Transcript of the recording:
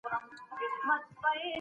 عمل د خبرو په پرتله ډېر اغیز لري.